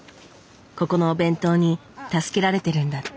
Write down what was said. ここのお弁当に助けられてるんだって。